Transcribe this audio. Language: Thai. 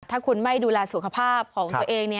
ถ้าคุณไม่ดูแลสุขภาพของตัวเอง